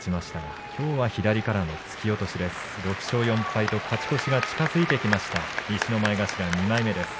琴ノ若、６勝４敗と勝ち越しが近づいています。